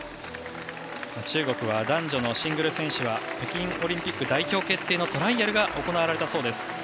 中国は男女のシングル選手は北京オリンピック代表決定のトライアルが行われたそうです。